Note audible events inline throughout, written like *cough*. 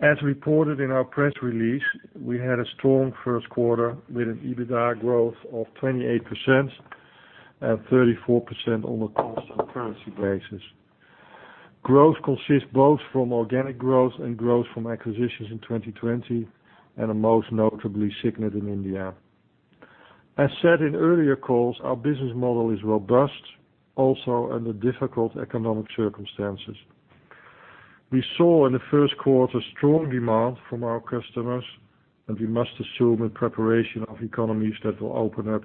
As reported in our press release, we had a strong first quarter with an EBITDA growth of 28% and 34% on a constant currency basis. Growth consists both from organic growth and growth from acquisitions in 2020 and are most notably Signet in India. As said in earlier calls, our business model is robust, also under difficult economic circumstances. We saw in the first quarter strong demand from our customers, and we must assume in preparation of economies that will open up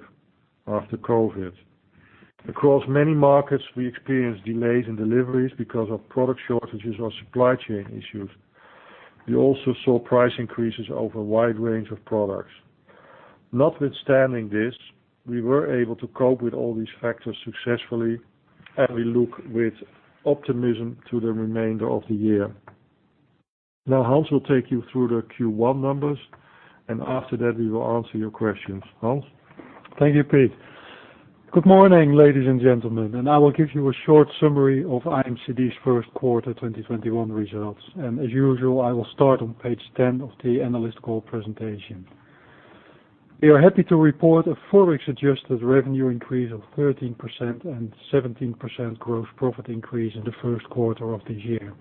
after COVID. Across many markets, we experienced delays in deliveries because of product shortages or supply chain issues. We also saw price increases over a wide range of products. Notwithstanding this, we were able to cope with all these factors successfully, and we look with optimism to the remainder of the year. Hans will take you through the Q1 numbers, and after that, we will answer your questions. Hans? Thank you, Piet. Good morning, ladies and gentlemen, I will give you a short summary of IMCD's first quarter 2021 results. As usual, I will start on page 10 of the analyst call presentation. We are happy to report a ForEx-adjusted revenue increase of 13% and 17% gross profit increase in the first quarter of this year.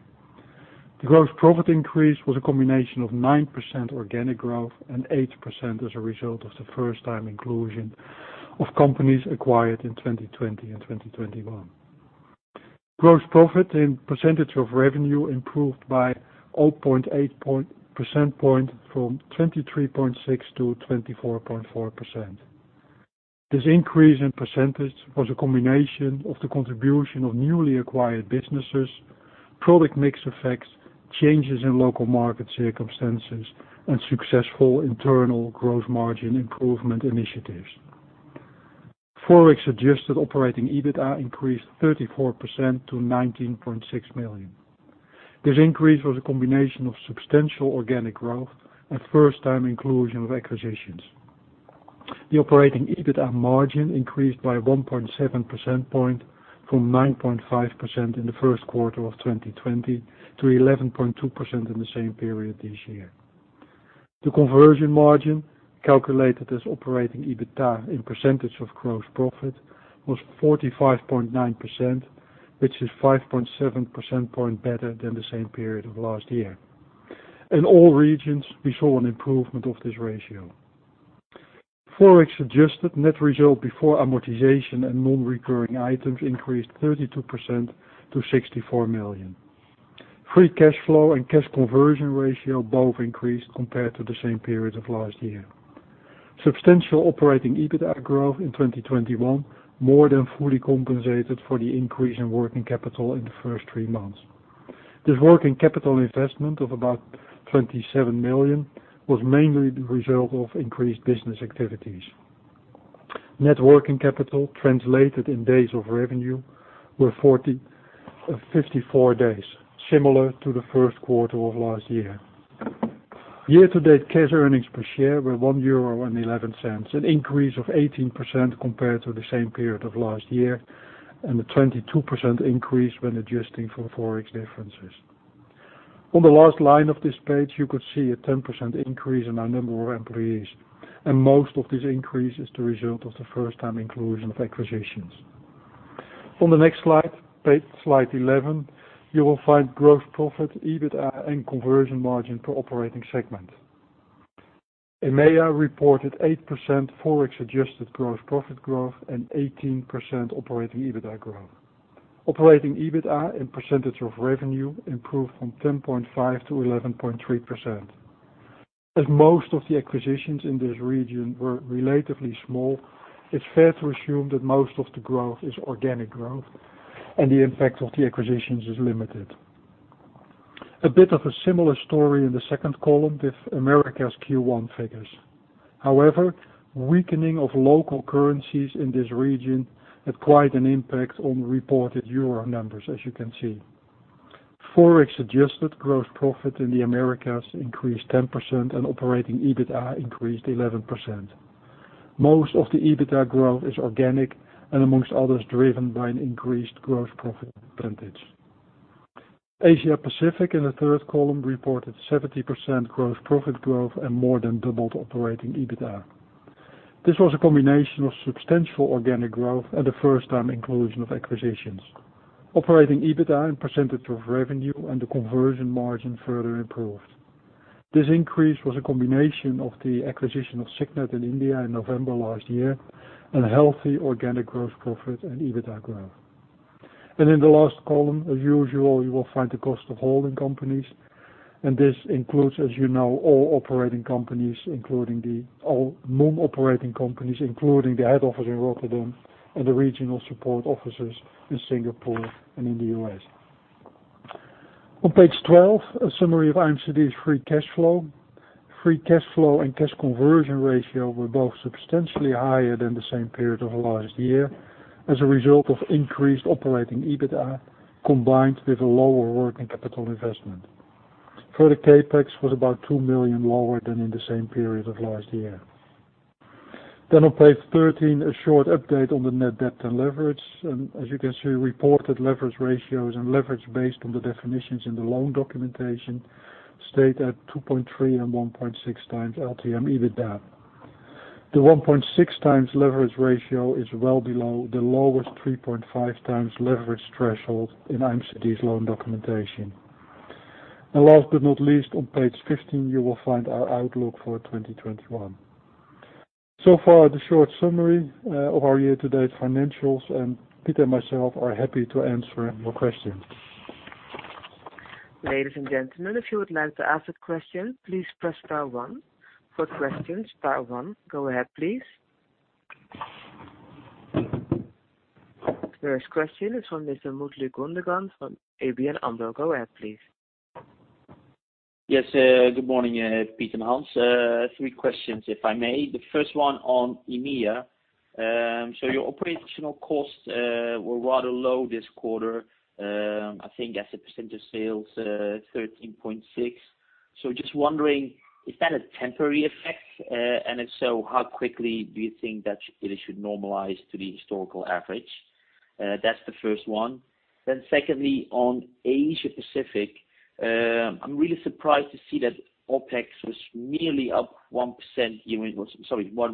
The gross profit increase was a combination of 9% organic growth and 8% as a result of the first-time inclusion of companies acquired in 2020 and 2021. Gross profit in percentage of revenue improved by 0.8 percentage point from 23.6% to 24.4%. This increase in % was a combination of the contribution of newly acquired businesses, product mix effects, changes in local market circumstances, and successful internal growth margin improvement initiatives. ForEx-adjusted operating EBITDA increased 34% to 19.6 million. This increase was a combination of substantial organic growth and first-time inclusion of acquisitions. The operating EBITDA margin increased by 1.7 percentage point from 9.5% in the first quarter of 2020 to 11.2% in the same period this year. The conversion margin, calculated as operating EBITDA in percentage of gross profit, was 45.9%, which is 5.7 percentage point better than the same period of last year. In all regions, we saw an improvement of this ratio. ForEx-adjusted net result before amortization and non-recurring items increased 32% to 64 million. Free cash flow and cash conversion ratio both increased compared to the same period of last year. Substantial operating EBITDA growth in 2021 more than fully compensated for the increase in working capital in the first three months. This working capital investment of about 27 million was mainly the result of increased business activities. Net working capital translated in days of revenue were 54 days, similar to the first quarter of last year. Year-to-date cash earnings per share were 1.11 euro, an increase of 18% compared to the same period of last year, and a 22% increase when adjusting for ForEx differences. On the last line of this page, you could see a 10% increase in our number of employees. Most of this increase is the result of the first-time inclusion of acquisitions. On the next slide 11, you will find gross profit, EBITDA, and conversion margin per operating segment. EMEA reported 8% ForEx-adjusted gross profit growth and 18% operating EBITDA growth. Operating EBITDA in % of revenue improved from 10.5% to 11.3%. As most of the acquisitions in this region were relatively small, it's fair to assume that most of the growth is organic growth and the impact of the acquisitions is limited. A bit of a similar story in the second column with Americas Q1 figures. However, weakening of local currencies in this region had quite an impact on reported Euro numbers, as you can see. Forex-adjusted gross profit in the Americas increased 10% and operating EBITDA increased 11%. Most of the EBITDA growth is organic and amongst others driven by an increased gross profit percentage. Asia Pacific in the third column reported 17% gross profit growth and more than doubled operating EBITDA. This was a combination of substantial organic growth and the first-time inclusion of acquisitions. Operating EBITDA in percentage of revenue and the conversion margin further improved. This increase was a combination of the acquisition of Signet in India in November last year and healthy organic gross profit and EBITDA growth. In the last column, as usual, you will find the cost of holding companies. This includes, as you know, all non-operating companies, including the head office in Rotterdam and the regional support offices in Singapore and in the U.S. On page 12, a summary of IMCD's free cash flow. Free cash flow and cash conversion ratio were both substantially higher than the same period of last year as a result of increased operating EBITDA combined with a lower working capital investment. Further CapEx was about 2 million lower than in the same period of last year. On page 13, a short update on the net debt and leverage. As you can see, reported leverage ratios and leverage based on the definitions in the loan documentation stayed at 2.3 and 1.6x LTM EBITDA. The 1.6x leverage ratio is well below the lowest 3.5x leverage threshold in IMCD's loan documentation. Last but not least, on page 15, you will find our outlook for 2021. So far, the short summary of our year-to-date financials and Piet and myself are happy to answer your questions. Ladies and gentlemen, if you would like to ask a question, please press star one. For questions, star one. Go ahead, please. First question is from Mr. Mutlu Gundogan from ABN AMRO. Go ahead, please. Yes. Good morning, Piet and Hans. Three questions, if I may. The first one on EMEA. Your operational costs were rather low this quarter. I think as a % of sales, 13.6. Just wondering, is that a temporary effect? If so, how quickly do you think that it should normalize to the historical average? That's the first one. Secondly, on Asia-Pacific, I'm really surprised to see that OpEx was nearly up 1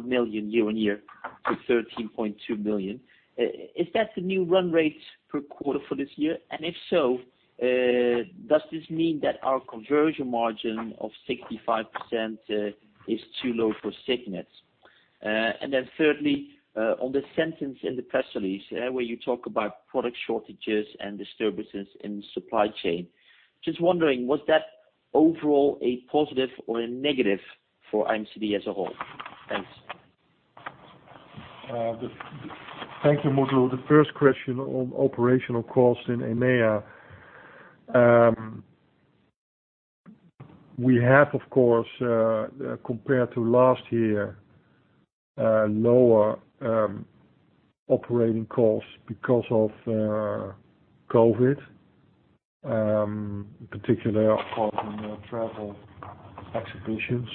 million year-on-year to 13.2 million. Is that the new run rate per quarter for this year? If so, does this mean that our conversion margin of 65% is too low for Signet? Thirdly, on the sentence in the press release where you talk about product shortages and disturbances in supply chain, just wondering, was that overall a positive or a negative for IMCD as a whole? Thanks. Thank you, Mutlu. The first question on operational cost in EMEA. We have, of course, compared to last year, lower operating costs because of COVID, in particular, of course, in travel, exhibitions.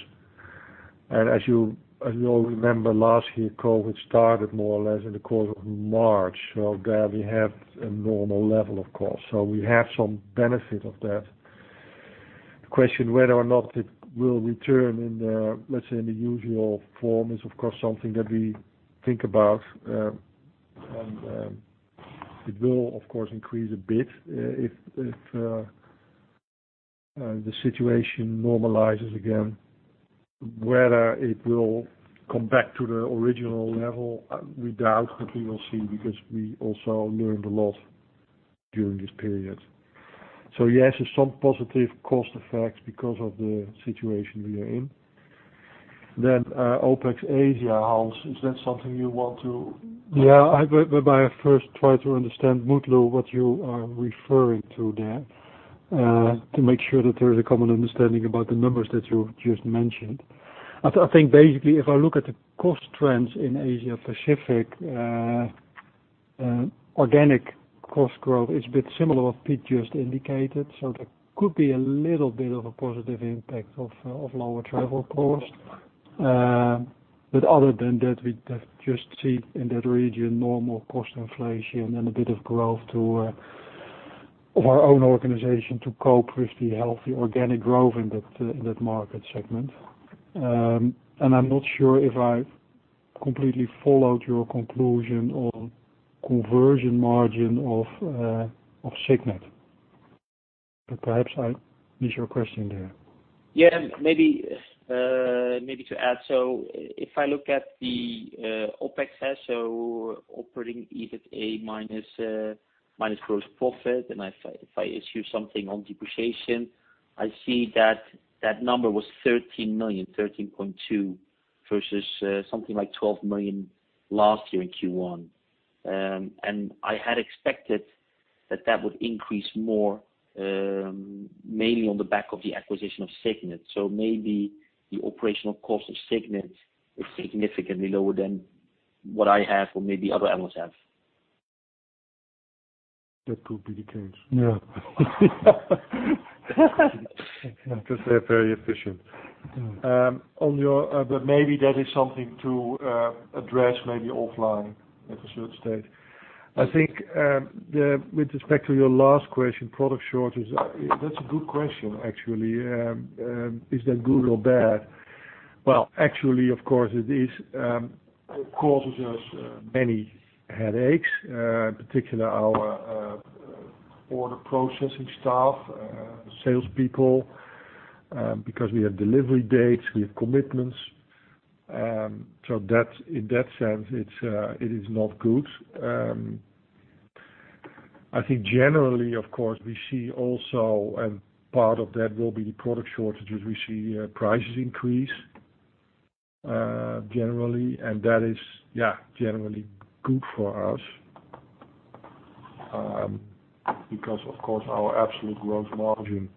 As you all remember, last year, COVID started more or less in the course of March. There we have a normal level, of course. We have some benefit of that. The question whether or not it will return in the, let's say, in the usual form is, of course, something that we think about. It will, of course, increase a bit if the situation normalizes again. Whether it will come back to the original level, we doubt, but we will see because we also learned a lot during this period. Yes, there's some positive cost effects because of the situation we are in. OpEx Asia, Hans. Yeah. I first try to understand, Mutlu, what you are referring to there, to make sure that there is a common understanding about the numbers that you just mentioned. I think basically, if I look at the cost trends in Asia-Pacific, organic cost growth is a bit similar what Piet has indicated. There could be a little bit of a positive impact of lower travel cost. Other than that, we just see in that region normal cost inflation and a bit of growth of our own organization to cope with the healthy organic growth in that market segment. I'm not sure if I've completely followed your conclusion on conversion margin of Signet. Perhaps I missed your question there. Maybe to add. If I look at the OpEx, operating EBITDA minus gross profit, issue something on depreciation, I see that that number was 13 million, 13.2 versus something like 12 million last year in Q1. I had expected that that would increase more, mainly on the back of the acquisition of Signet. Maybe the operational cost of Signet is significantly lower than what I have or maybe other analysts have. That could be the case. Yeah. They're very efficient. Maybe that is something to address maybe offline at a certain stage. I think with respect to your last question, product shortage, that's a good question, actually. Is that good or bad? Actually, of course, it causes us many headaches, in particular our order processing staff, salespeople, because we have delivery dates, we have commitments. In that sense, it is not good. I think generally, of course, we see also, and part of that will be the product shortages, we see prices increase, generally, and that is, yeah, generally good for us. Of course, our absolute gross margin,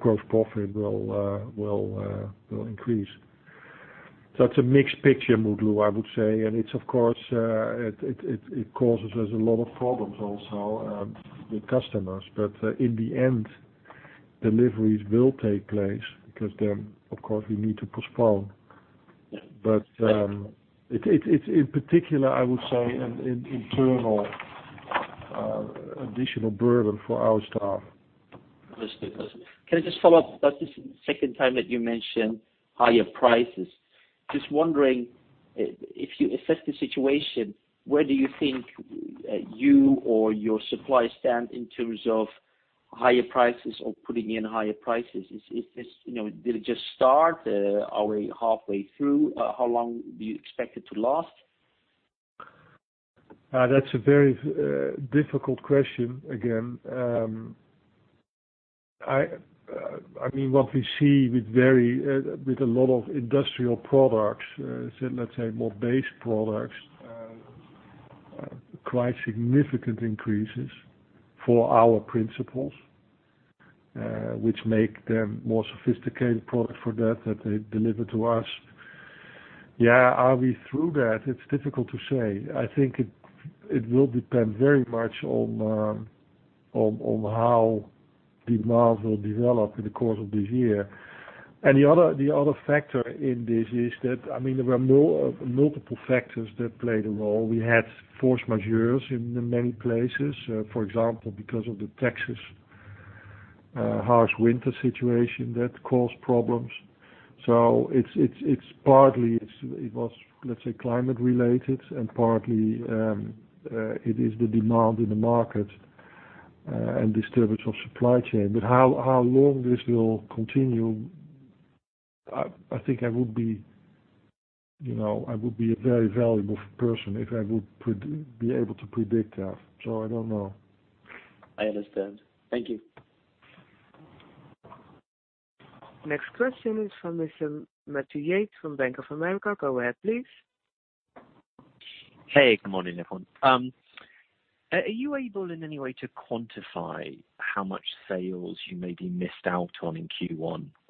gross profit, will increase. It's a mixed picture, Mutlu, I would say, and it causes us a lot of problems also with customers. In the end deliveries will take place, because then, of course, we need to postpone. It's in particular, I would say, an internal additional burden for our staff. Understood. Can I just follow up? That's the second time that you mentioned higher prices. Just wondering if you assess the situation, where do you think you or your suppliers stand in terms of higher prices or putting in higher prices? Did it just start? Are we halfway through? How long do you expect it to last? That's a very difficult question, again. What we see with a lot of industrial products, let's say more base products, quite significant increases for our principals, which make their more sophisticated product for that they deliver to us. Yeah, are we through that? It's difficult to say. I think it will depend very much on how demand will develop in the course of this year. The other factor in this is that there were multiple factors that played a role. We had force majeure in many places, for example, because of the Texas harsh winter situation that caused problems. It's partly it was, let's say, climate-related and partly it is the demand in the market, and disturbance of supply chain. How long this will continue, I think I would be a very valuable person if I would be able to predict that. I don't know. I understand. Thank you. Next question is from Mr. Matthew Yates from Bank of America. Go ahead, please. Hey, good morning, everyone. Are you able in any way to quantify how much sales you maybe missed out on in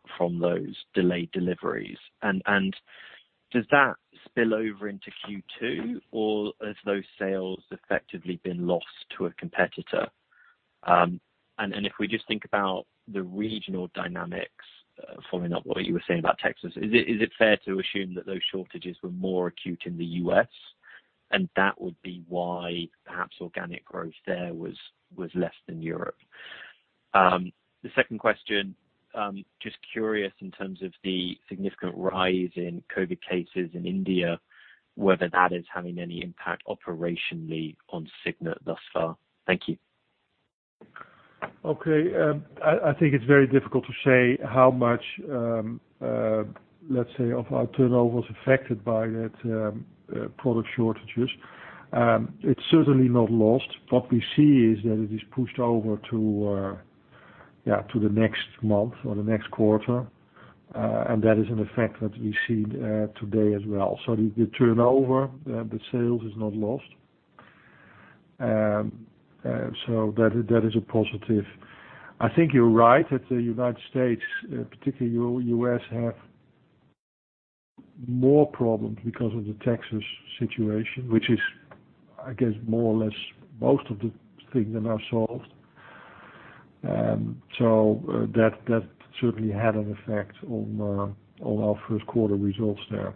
Q1 from those delayed deliveries? Does that spill over into Q2, or has those sales effectively been lost to a competitor? If we just think about the regional dynamics, following up what you were saying about Texas, is it fair to assume that those shortages were more acute in the U.S., and that would be why perhaps organic growth there was less than Europe? The second question, just curious in terms of the significant rise in COVID cases in India, whether that is having any impact operationally on Signet thus far. Thank you. I think it's very difficult to say how much, let's say, of our turnover was affected by that product shortages. It's certainly not lost. What we see is that it is pushed over to the next month or the next quarter. That is an effect that we see today as well. The turnover, the sales is not lost. That is a positive. I think you're right that the United States, particularly U.S., have more problems because of the Texas situation, which is, I guess, more or less most of the things are now solved. That certainly had an effect on our first quarter results there.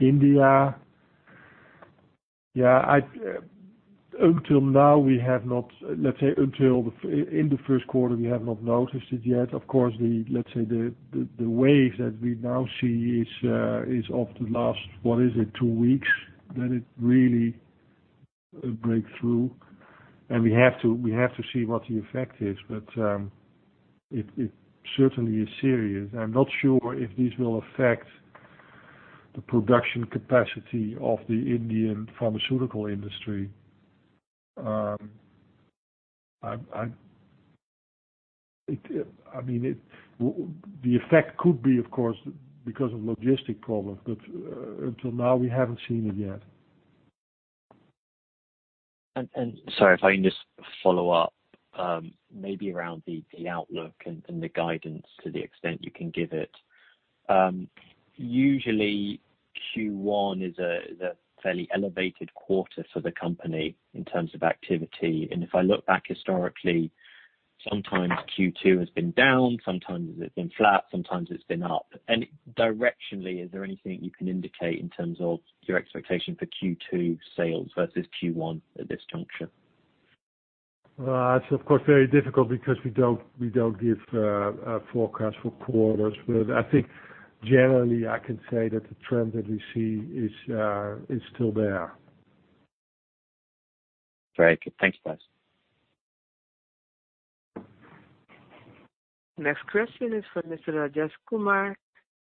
India, until in the first quarter, we have not noticed it yet. Of course, let's say, the wave that we now see is of the last, what is it, two weeks, that it really break through, and we have to see what the effect is, but it certainly is serious. I'm not sure if this will affect the production capacity of the Indian pharmaceutical industry. The effect could be, of course, because of logistic problem, but until now, we haven't seen it yet. Sorry, if I can just follow up, maybe around the outlook and the guidance to the extent you can give it. Usually, Q1 is a fairly elevated quarter for the company in terms of activity. If I look back historically, sometimes Q2 has been down, sometimes it's been flat, sometimes it's been up. Directionally, is there anything you can indicate in terms of your expectation for Q2 sales versus Q1 at this juncture? It's of course, very difficult because we don't give a forecast for quarters. I think generally I can say that the trend that we see is still there. Very good. Thanks, Piet. Next question is for Mr. Swadesh Kumar,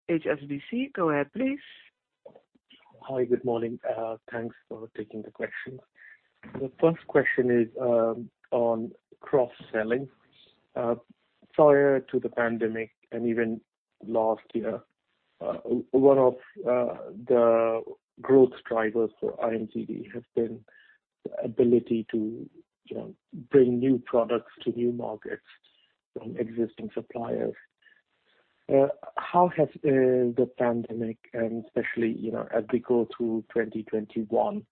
HSBC. Go ahead, please. Hi, good morning. Thanks for taking the question. The first question is on cross-selling. Prior to the pandemic and even last year, one of the growth drivers for IMCD has been the ability to bring new products to new markets from existing suppliers. How has the pandemic, and especially as we go through 2021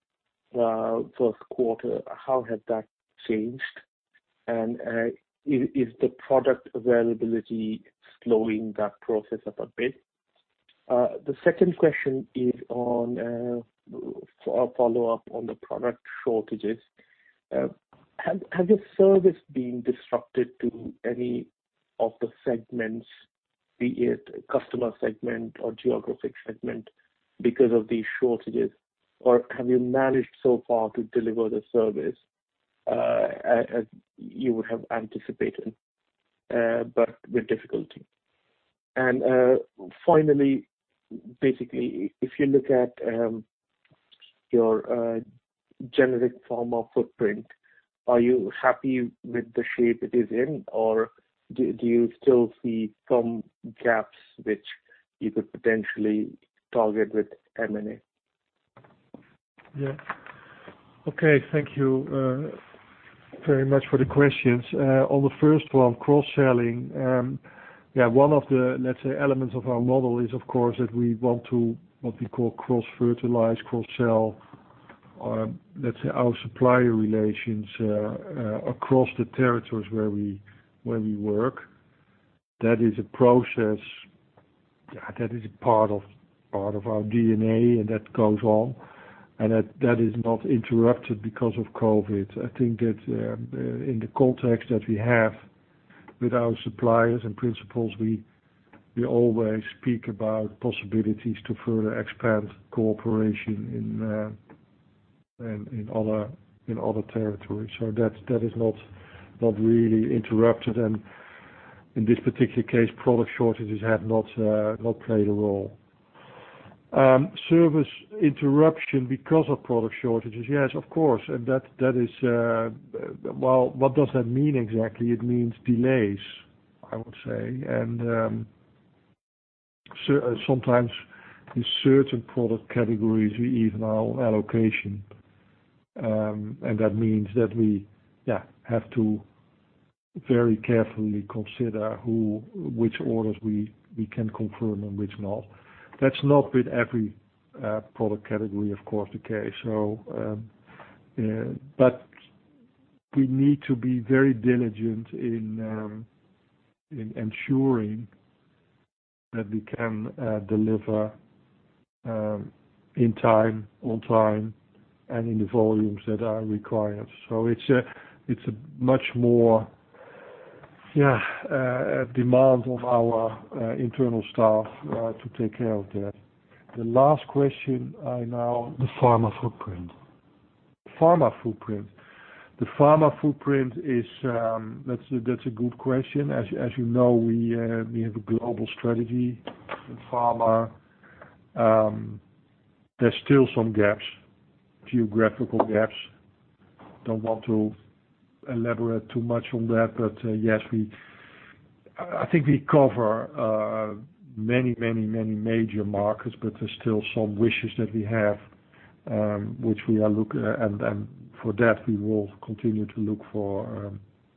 first quarter, how has that changed? Is the product availability slowing that process up a bit? The second question is a follow-up on the product shortages. Has your service been disrupted to any of the segments, be it customer segment or geographic segment, because of these shortages, or have you managed so far to deliver the service as you would have anticipated, but with difficulty? Finally, basically, if you look at your generic pharma footprint, are you happy with the shape it is in, or do you still see some gaps which you could potentially target with M&A? Yeah. Okay. Thank you very much for the questions. On the first one, cross-selling. One of the, let's say, elements of our model is, of course, that we want to, what we call cross-fertilize, cross-sell, let's say, our supplier relations across the territories where we work. That is a process that is part of our DNA and that goes on, and that is not interrupted because of COVID. I think that in the context that we have with our suppliers and principals, we always speak about possibilities to further expand cooperation in other territories. That is not really interrupted. In this particular case, product shortages have not played a role. Service interruption because of product shortages, yes, of course. What does that mean exactly? It means delays, I would say. Sometimes in certain product categories, we even are on allocation. That means that we have to very carefully consider which orders we can confirm and which not. That's not with every product category, of course, the case. We need to be very diligent in ensuring that we can deliver in time, on time, and in the volumes that are required. It's a much more demand of our internal staff to take care of that. The last question now. The pharma footprint. Pharma footprint. The pharma footprint, that's a good question. As you know, we have a global strategy in pharma. There's still some gaps, geographical gaps. Don't want to elaborate too much on that, but yes, I think we cover many, many, many major markets, but there's still some wishes that we have. For that, we will continue to look for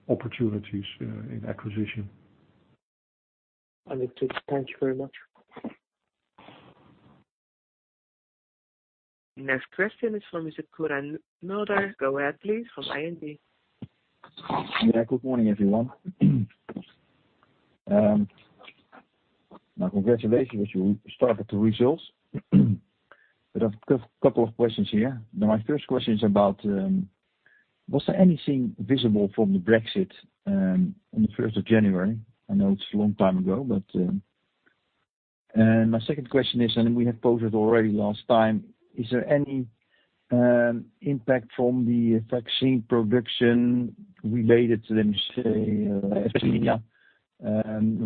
opportunities in acquisition. Thank you very much. Next question is from Quirijn Mulder. Go ahead, please, from ING. Yeah. Good morning, everyone. My congratulations. You started the results. I've got a couple of questions here. My first question is about, was there anything visible from the Brexit on the 1st of January? I know it's a long time ago, but my second question is, and we have posed it already last time, is there any impact from the vaccine production related to the, let me say, AstraZeneca,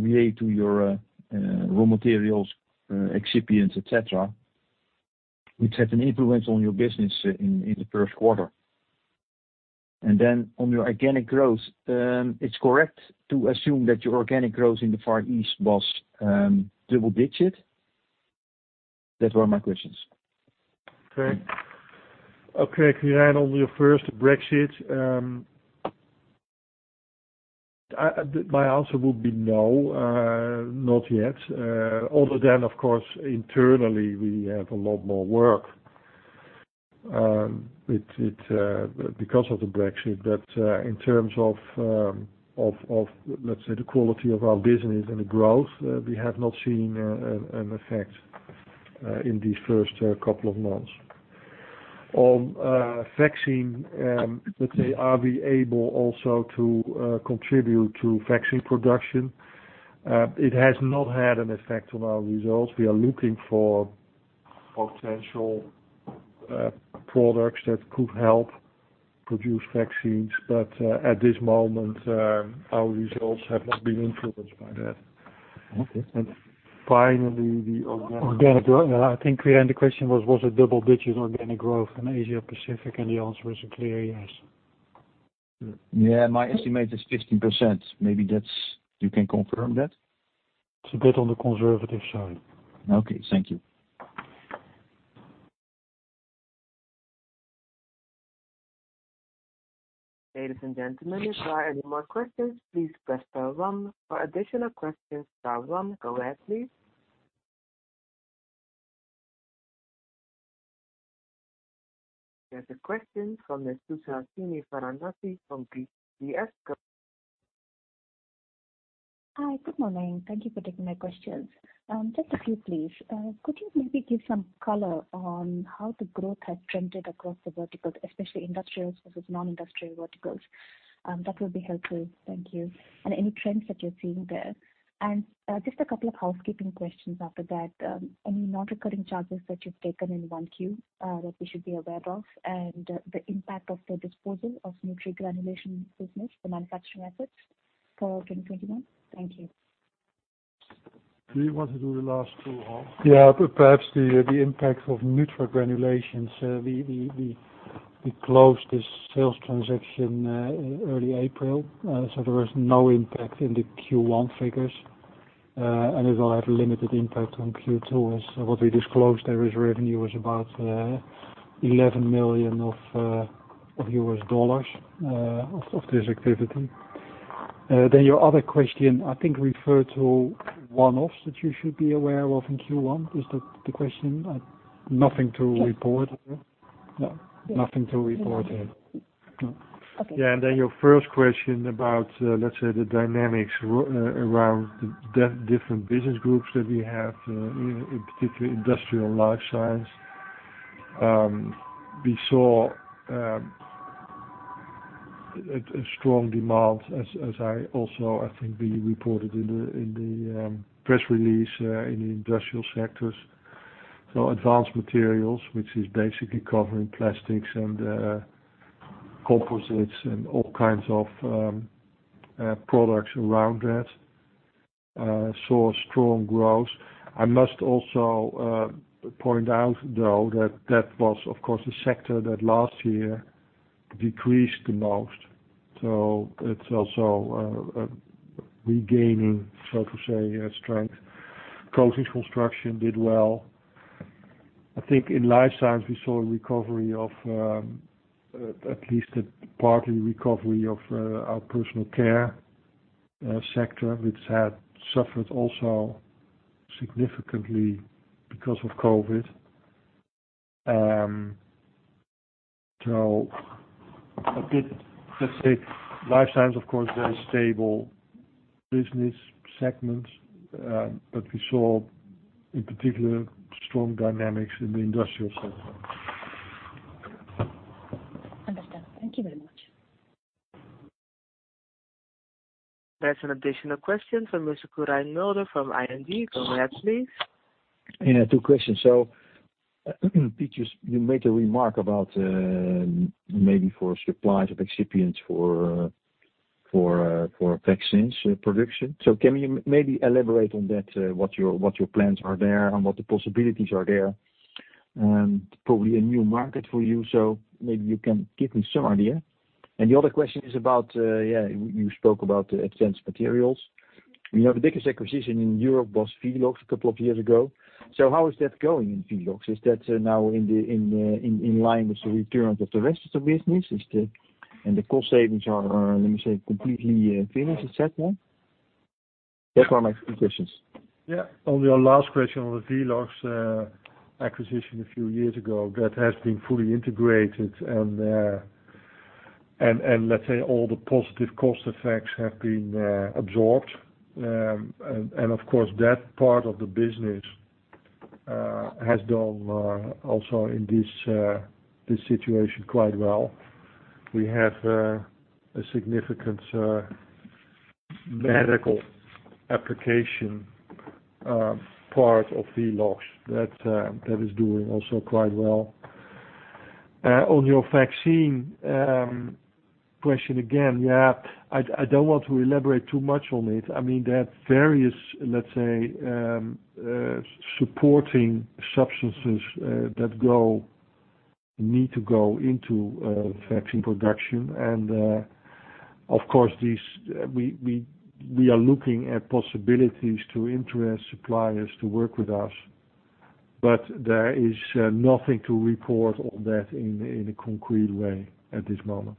relate to your raw materials, excipients, et cetera, which had an influence on your business in the first quarter? On your organic growth, it's correct to assume that your organic growth in the Far East was double digits? Those were my questions. Quirijn Mulder, on your first, Brexit. My answer would be no, not yet. Of course, internally, we have a lot more work because of the Brexit. In terms of, let's say, the quality of our business and the growth, we have not seen an effect in these first couple of months. On vaccine, let's say, are we able also to contribute to vaccine production? It has not had an effect on our results. We are looking for potential products that could help produce vaccines, but at this moment, our results have not been influenced by that. Okay. Finally, the organic Organic growth. I think, Quirijn Mulder, the question was it double-digit organic growth in Asia Pacific? The answer is a clear yes. Yeah, my estimate is 15%. Maybe you can confirm that? It's a bit on the conservative side. Okay. Thank you. Ladies and gentlemen, if there are any more questions, please press star one. For additional questions, star one. Go ahead, please. There's a question from Ms. Suhasini Varanasi. Hi. Good morning. Thank you for taking my questions. Just a few, please. Could you maybe give some color on how the growth has trended across the verticals, especially industrials versus non-industrial verticals? That would be helpful. Thank you. Any trends that you're seeing there. Just a couple of housekeeping questions after that. Any non-recurring charges that you've taken in 1Q that we should be aware of, and the impact of the disposal of NutriGranulations business, the manufacturing assets for 2021? Thank you. Do you want to do the last two, Hans? Yeah. Perhaps the impact of NutriGranulations. We closed the sales transaction early April. There was no impact in the Q1 figures. It will have limited impact on Q2 as what we disclosed there as revenue was about $11 million of this activity. Your other question, I think refer to one-offs that you should be aware of in Q1. Is that the question? Nothing to report. Yes. Nothing to report there. Okay. Yeah. Then your first question about, let's say, the dynamics around the different business groups that we have, in particular industrial life science. We saw a strong demand, as I also, I think, reported in the press release in the industrial sectors. Advanced Materials, which is basically covering plastics and composites and all kinds of products around that, saw strong growth. I must also point out, though, that that was, of course, the sector that last year decreased the most. It's also regaining, so to say, strength. Coatings construction did well. I think in life science, we saw a recovery of, at least a partly recovery of our personal care sector, which had suffered also significantly because of COVID. A bit, let's say, life science, of course, very stable business segment. We saw in particular strong dynamics in the industrial segment. Understood. Thank you very much. There's an additional question from Mr. Quirijn Mulder from ING. Go ahead, please. Yeah, two questions. Piet, you made a remark about maybe for suppliers of excipients for vaccines production. Can you maybe elaborate on that, what your plans are there and what the possibilities are there? Probably a new market for you, so maybe you can give me some idea. The other question is about, you spoke about Advanced Materials. The biggest acquisition in Europe was Velox a couple of years ago. How is that going in Velox? Is that now in line with the returns of the rest of the business? The cost savings are, let me say, completely finished et cetera? Those are my two questions. On your last question on the Velox acquisition a few years ago, that has been fully integrated and, let's say, all the positive cost effects have been absorbed. Of course, that part of the business has done also in this situation quite well. We have a significant medical application part of Velox that is doing also quite well. On your vaccine question, again, I don't want to elaborate too much on it. There are various supporting substances that need to go into vaccine production. Of course, we are looking at possibilities to interest suppliers to work with us. There is nothing to report on that in a concrete way at this moment.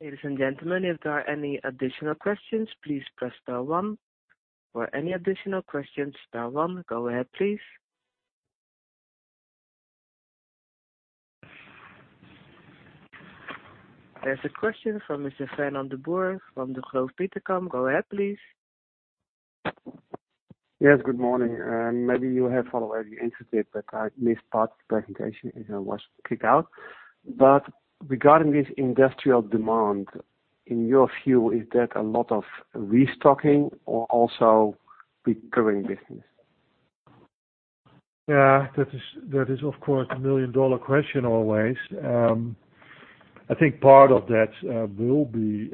Ladies and gentlemen, if there are any additional questions, please press star one. For any additional questions, star one. Go ahead, please. There's a question from *inaudible* Yes. Good morning. Maybe you have already answered it, but I missed part of the presentation as I was kicked out. Regarding this industrial demand, in your view, is that a lot of restocking or also recurring business? Yeah, that is, of course, the million-dollar question always. I think part of that will be,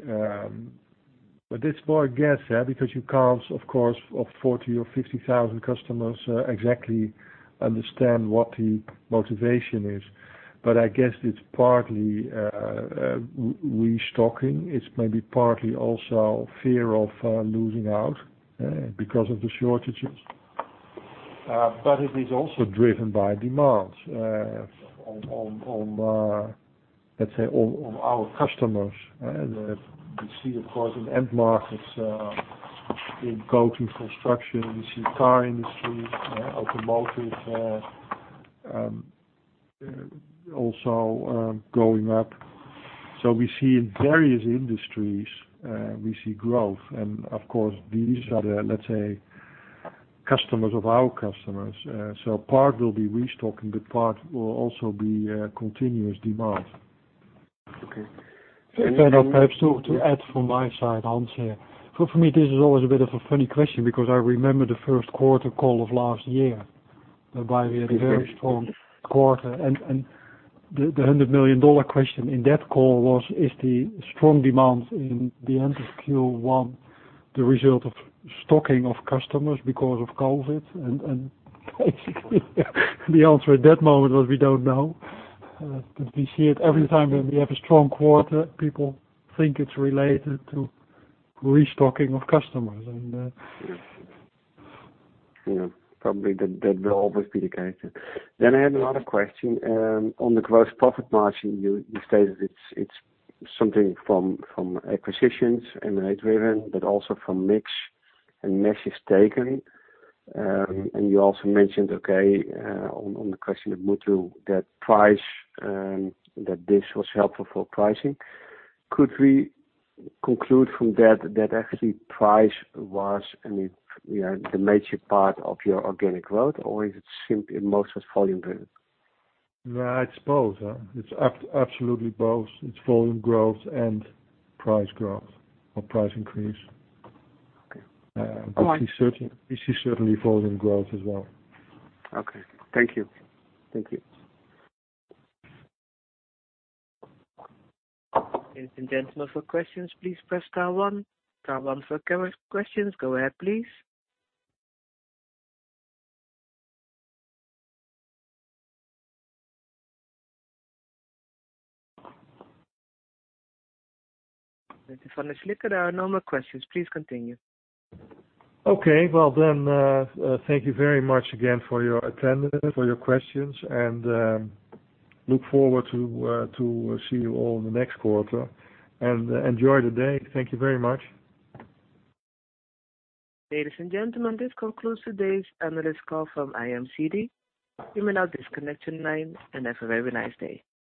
but it's more a guess, because you can't, of course, of 40 or 50,000 customers, exactly understand what the motivation is. I guess it's partly restocking. It's maybe partly also fear of losing out because of the shortages. It is also driven by demand of, let's say, our customers. We see, of course, in end markets, in building construction, we see car industry, automotive also going up. We see in various industries, we see growth. Of course, these are, let's say, customers of our customers. Part will be restocking, but part will also be continuous demand. Perhaps to add from my side, Hans here. For me, this is always a bit of a funny question because I remember the first quarter call of last year, whereby we had a very strong quarter, and the EUR 100 million question in that call was, is the strong demand in the end of Q1 the result of stocking of customers because of COVID? Basically, the answer at that moment was, we don't know. We see it every time when we have a strong quarter, people think it's related to restocking of customers. Yes. Probably that will always be the case. I have another question. On the gross profit margin, you stated it's something from acquisitions and rate driven, but also from mix, and mix effects. You also mentioned, okay, on the question of Mutlu, that this was helpful for pricing. Could we conclude from that actually price was the major part of your organic growth, or is it most was volume driven? I suppose. It's absolutely both. It's volume growth and price growth or price increase. Okay. We see certainly volume growth as well. Okay. Thank you. Thank you. Go ahead, please. Mr. van der Slikke, there are no more questions. Please continue. Well then, thank you very much again for your attendance, for your questions, and look forward to see you all in the next quarter. Enjoy the day. Thank you very much. Ladies and gentlemen, this concludes today's analyst call from IMCD. You may now disconnect your line, and have a very nice day.